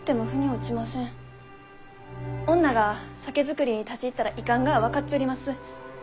女が酒造りに立ち入ったらいかんがは分かっちょります。